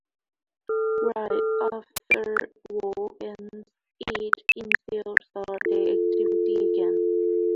Right after war's end, eight institutes started their activity again.